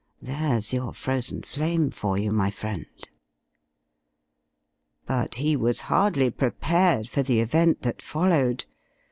There's your Frozen Flame for you, my friend!" But he was hardly prepared for the event that followed.